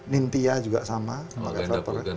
nintia juga sama pakai fly power